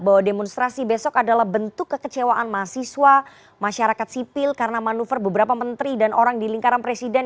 bahwa demonstrasi besok adalah bentuk kekecewaan mahasiswa masyarakat sipil karena manuver beberapa menteri dan orang di lingkaran presiden